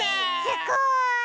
すごい！